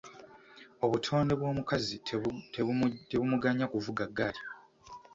Obutonde bw’omukazi tebumuganya kuvuga ggaali.